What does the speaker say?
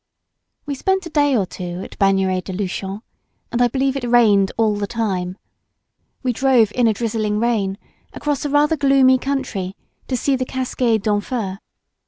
We spent a day or two at Bagnères de Lnchon, and I believe it rained all the time. We drove in a drizzling rain across a rather gloomy country, to see the Cascade d'Enfer.